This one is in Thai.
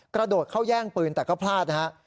กระโดดเข้าแย่งปืนแต่ก็พลาดนะฮะ